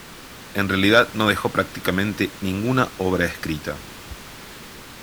En realidad no dejó prácticamente ninguna obra escrita.